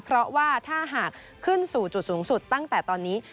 เพราะว่าถ้าหากขึ้นสู่จุดสูงสุดตั้งแต่ตอนนี้